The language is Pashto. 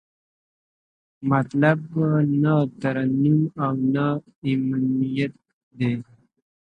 مطلب نه ترمیم او نه امنیت دی.